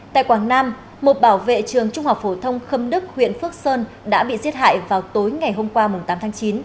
tại quảng nam một bảo vệ trường trung học phổ thông khâm đức huyện phước sơn đã bị giết hại vào tối ngày hôm qua tám tháng chín